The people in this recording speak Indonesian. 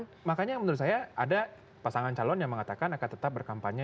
nah makanya menurut saya ada pasangan calon yang mengatakan akan tetap berkampanye